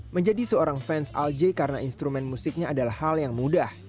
menjadi seorang fans al jay karena instrumen musiknya adalah hal yang mudah